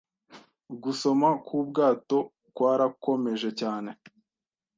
Gusoma k’ubwato kwarakomeje cyane